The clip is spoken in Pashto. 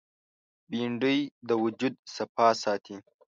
بېنډۍ د وجود صفا ساتي